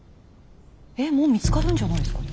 えっもう見つかるんじゃないですか？